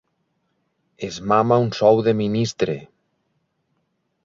Es mama un sou de ministre.